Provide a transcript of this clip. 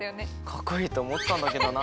かっこいいとおもったんだけどなあ。